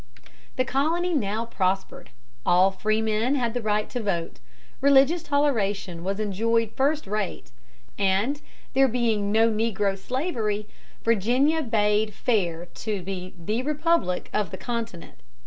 The colony now prospered. All freemen had the right to vote. Religious toleration was enjoyed first rate, and, there being no negro slavery, Virginia bade fair to be the republic of the continent.